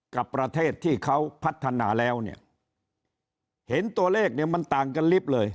กับประเทศที่เขาพัฒนาแล้วเนี่ยเห็นตัวเลขเนี่ยมันต่างกันลิฟต์เลย